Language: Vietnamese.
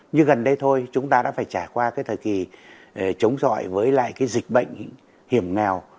như gần đây thôi chúng ta đã phải trải qua thời kỳ chống dọi với dịch bệnh hiểm nghèo